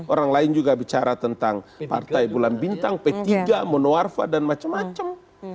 orang lain juga bicara tentang partai bulan bintang p tiga monoarfa dan macam macam